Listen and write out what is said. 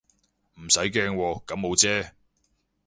唔使驚喎，感冒啫